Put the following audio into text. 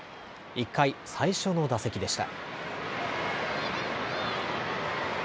１回、最初の打席でした。